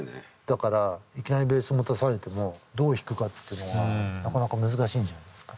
だからいきなりベース持たされてもどう弾くかっていうのはなかなか難しいんじゃないですか。